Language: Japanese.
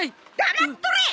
黙っとれ！